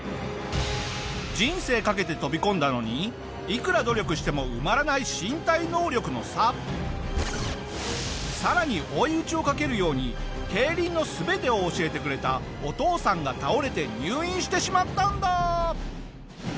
人生かけて飛び込んだのにいくらさらに追い打ちをかけるように競輪の全てを教えてくれたお父さんが倒れて入院してしまったんだ！